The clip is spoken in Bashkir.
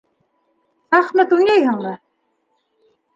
Шахмат уйнайһыңмы?